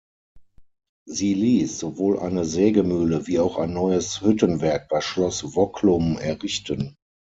Sie ließ sowohl eine Sägemühle wie auch ein neues Hüttenwerk bei Schloss Wocklum errichten.